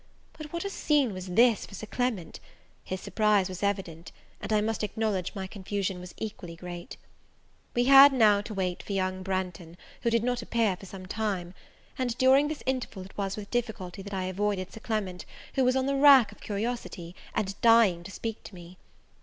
But what a scene was this for Sir Clement! his surprise was evident; and I must acknowledge my confusion was equally great. We had now to wait for young Branghton, who did not appear for some time; and during this interval it was with difficulty that I avoided Sir Clement, who was on the rack of curiosity, and dying to speak to me.